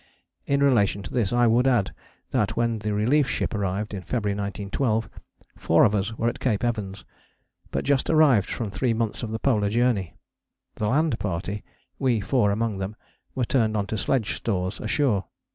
In relation to this I would add that, when the relief ship arrived in February 1912, four of us were at Cape Evans, but just arrived from three months of the Polar Journey. The land party, we four among them, were turned on to sledge stores ashore.